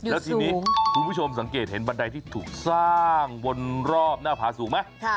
แล้วทีนี้คุณผู้ชมสังเกตเห็นบันไดที่ถูกสร้างบนรอบหน้าผาสูงไหม